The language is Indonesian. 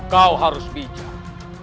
kau harus bijak